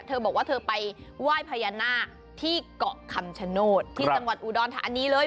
เธอบอกว่าเธอไปไหว้พญานาคที่เกาะคำชโนธที่จังหวัดอุดรธานีเลย